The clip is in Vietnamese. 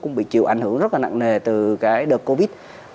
cũng bị chịu ảnh hưởng rất là nặng nề từ cái đợt covid